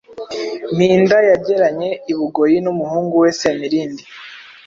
Mpinda yageranye i Bugoyi n'umuhungu we Semirindi